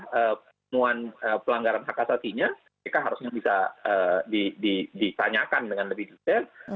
temuan pelanggaran hak asasinya mereka harusnya bisa ditanyakan dengan lebih detail